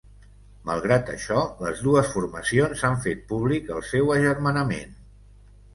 Malgrat això, les dues formacions han fet públic el seu agermanament.